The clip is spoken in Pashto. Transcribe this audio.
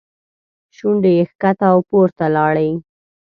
شونډې یې ښکته او پورته لاړې.